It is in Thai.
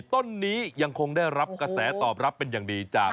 ต้นนี้ยังคงได้รับกระแสตอบรับเป็นอย่างดีจาก